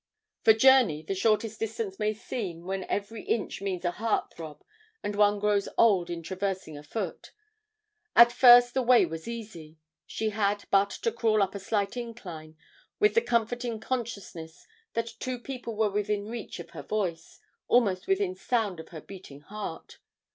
For journey the shortest distance may seem when every inch means a heart throb and one grows old in traversing a foot. At first the way was easy; she had but to crawl up a slight incline with the comforting consciousness that two people were within reach of her voice, almost within sound of her beating heart.